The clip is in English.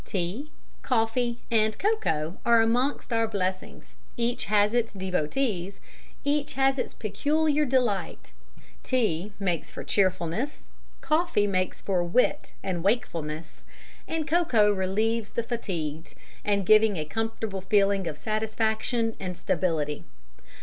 Tea, coffee, and cocoa are amongst our blessings, each has its devotees, each has its peculiar delight: tea makes for cheerfulness, coffee makes for wit and wakefulness, and cocoa relieves the fatigued, and gives a comfortable feeling of satisfaction and stability.